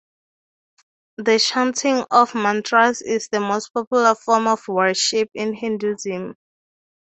The chanting of "mantras" is the most popular form of worship in Hinduism.